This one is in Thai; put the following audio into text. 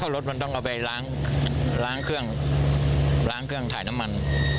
รถมันต้องเอาไปล้างเครื่องล้างเครื่องถ่ายน้ำมัน